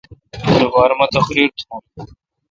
لوپارہ مہ تقریر تھون۔